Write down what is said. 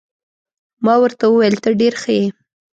ما ورته وویل: ته ډېر ښه يې.